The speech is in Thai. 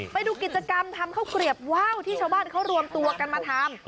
ไปดูกิจกรรมทำข้าวเกลียบว่าวที่ชาวบ้านเขารวมตัวกันมาทำ